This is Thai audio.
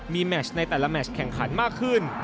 มีแมชในแต่ละแมชแข่งขันมากขึ้น